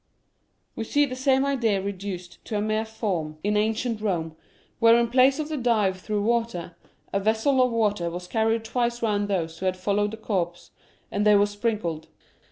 We see the same idea reduced to a mere form in ancient Rome, where in place of the dive through water, a vessel of water was carried twice round those who had followed the corpse, and they were sprinkled.